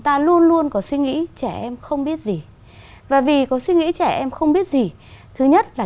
ta luôn luôn có suy nghĩ trẻ em không biết gì và vì có suy nghĩ trẻ em không biết gì thứ nhất là